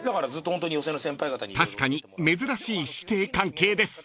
［確かに珍しい師弟関係です］